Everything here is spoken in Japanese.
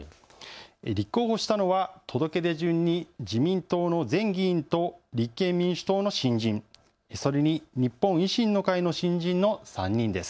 立候補したのは届け出順に自民党の前議員と立憲民主党の新人、それに、日本維新の会の新人の３人です。